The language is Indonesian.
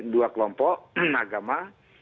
dua kelompok agama